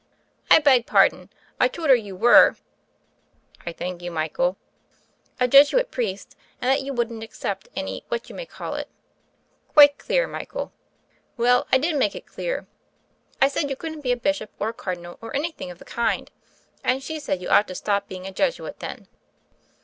"I beg pardon; I told her you were " "I thank you, Michael." "A Jesuit priest, and that you wouldn't ac cept any what you may call it." "Quite clear, Michael." "Well, I did make it clear. I said you could n't be a Bishop or a Cardinal or anything of the kind; and she said you ought to stop being a Jesuit then."